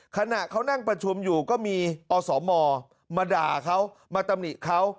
ขณะเขานั่งประชุมอยู่ก็มีอสมมาด่าเขามาตำหนิเขา